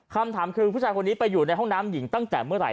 คำถามคือผู้ชายคนนี้ไปอยู่ในห้องน้ำหญิงตั้งแต่เมื่อไห